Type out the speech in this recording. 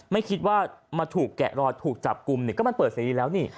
ไม่คิดว่ามาถูกแกะรอยถูกจับกลุ่มเนี่ยก็มันเปิดเสรีแล้วนี่